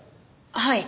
はい。